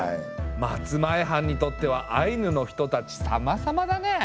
松前藩にとってはアイヌの人たちさまさまだね。